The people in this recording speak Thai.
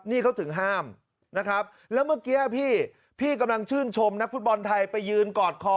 นี่เขาถึงห้ามนะครับแล้วเมื่อกี้พี่พี่กำลังชื่นชมนักฟุตบอลไทยไปยืนกอดคอ